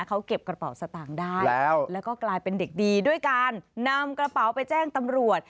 เขาเก็บกระเป๋าสตางค์ได้แล้วก็กลายเป็นเด็กดีด้วยการนำกระเป๋าไปแจ้งตำรวจ